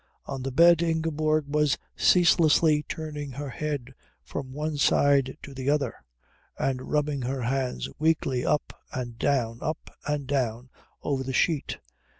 On the bed Ingeborg was ceaselessly turning her head from one side to the other and rubbing her hands weakly up and down, up and down over the sheet.